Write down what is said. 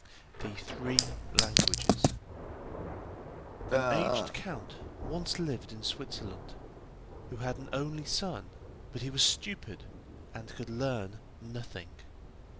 THE THREE LANGUAGES An aged count once lived in Switzerland, who had an only son, but he was stupid, and could learn nothing.